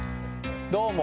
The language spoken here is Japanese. どうも。